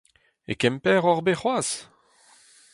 E Kemper oc'h bet c'hoazh ?